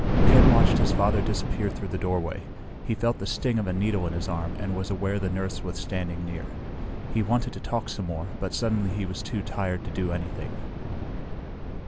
Ken watched his father disappear through the doorway. He felt the sting of a needle in his arm and was aware the nurse was standing near. He wanted to talk some more, but suddenly he was too tired to do anything.